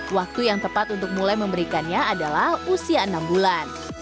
waktu yang tepat untuk mulai memberikannya adalah usia enam bulan